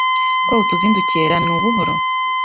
ko utuzindukiye ra, ni ubuhoro